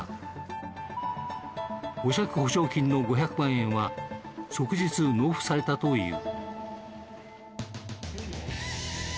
保釈保証金の５００万円は即日納付されたという。